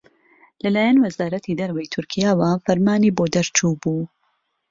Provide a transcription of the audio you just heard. لەلایەن وەزارەتی دەرەوەی تورکیاوە فرمانی بۆ دەرچووبوو